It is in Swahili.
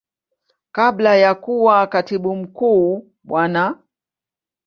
Kabla ya kuwa Katibu Mkuu Bwana.